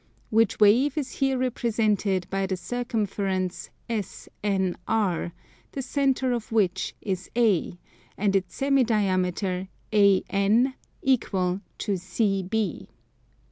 Which wave is here represented by the circumference SNR, the centre of which is A, and its semi diameter AN equal to CB.